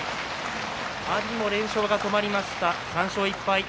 阿炎も連勝が止まりました３勝１敗。